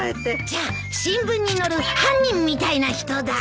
じゃあ新聞に載る犯人みたいな人だ！